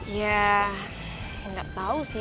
ya gak tau sih